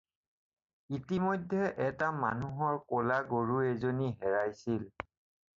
ইতিমধ্যে এটা মানুহৰ ক'লা গৰু এজনী হেৰাইছিল।